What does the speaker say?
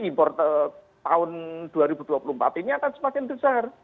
impor tahun dua ribu dua puluh empat ini akan semakin besar